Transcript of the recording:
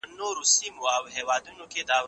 زه اوږده وخت سندري اورم وم،